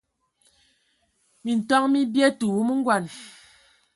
Minton mi bie, tə wumu ngɔn.